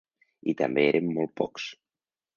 I també érem molt pocs.